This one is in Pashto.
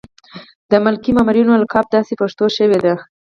د ملکي مامورینو القاب داسې پښتو شوي دي.